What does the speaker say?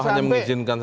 oh hanya mengizinkan